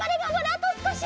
あとすこし。